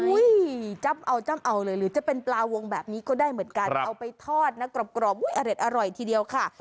จ้ำเอาจ้ำเอาเลยหรือจะเป็นปลาวงแบบนี้ก็ได้เหมือนกันเอาไปทอดนะกรอบอุ้ยอร่อยทีเดียวค่ะ